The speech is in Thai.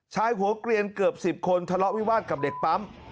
ชายหัวเกลียนเกือบ๑๐คนทะเลาะวิวาสกับเด็กปั๊ม